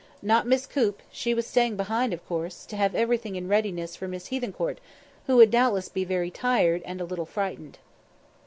Not Miss Coop; she was staying behind, of course, to have everything in readiness for Miss Hethencourt, who would doubtless be very tired and a little frightened.